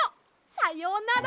さようなら！